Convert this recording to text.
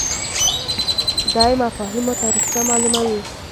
دی مفاهیمو تاریخچه معلوموي